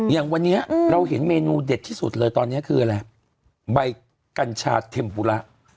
อย่างวันนี้เราเห็นเมนูเด็ดที่สุดเลยตอนนี้คืออะไรใบกัญชาเทมปุระ